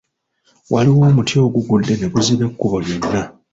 Waliwo omuti ogugudde ne guziba ekkubo lyonna.